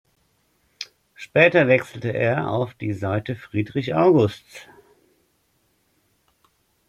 Später wechselte er auf die Seite Friedrich Augusts.